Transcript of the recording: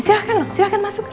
silahkan silahkan masuk ya